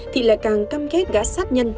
thì lại càng cam kết gã sát nhân